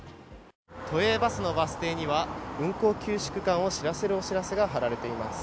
都営バスのバス停には運行休止区間を知らせるお知らせが貼られています。